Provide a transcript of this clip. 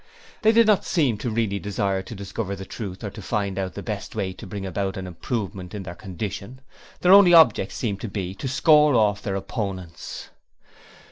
They did not seem to really desire to discover the truth or to find out the best way to bring about an improvement in their condition, their only object seemed to be to score off their opponents.